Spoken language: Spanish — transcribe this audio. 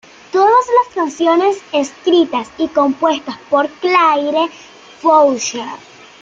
Todas las canciones escritas y compuestas por Claire Boucher.